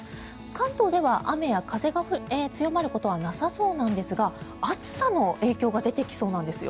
関東では雨や風が強まることはなさそうなんですが暑さの影響が出てきそうなんですよ。